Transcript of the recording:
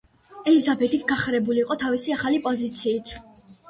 ელიზაბეტი გახარებული იყო თავისი ახალი პოზიციით.